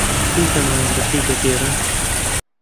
کەی زەماوەندەکەی دەگێڕن؟